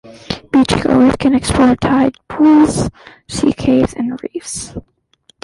Beachgoers can explore tide pools, sea caves, and reefs.